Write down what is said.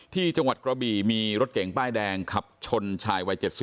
ที่จังหวัดกระบี่มีรถเก่งป้ายแดงขับชนชายวัย๗๐